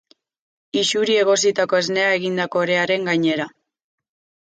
Isuri egositako esnea egindako orearen gainera.